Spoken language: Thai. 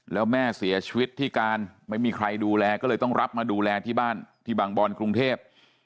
แล้วแม่เสียชีวิตที่การไม่มีใครดูแลก็เลยต้องรับมาดูแลที่บ้านที่บางบอนกรุงเทพ